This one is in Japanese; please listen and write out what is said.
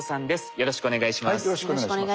よろしくお願いします。